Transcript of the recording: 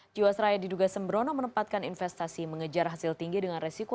jiwasraya diduga sembrono menempatkan investasi mengejar hasil tinggi dengan resiko